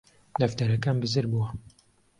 دەفتەرەکەم بزر بووە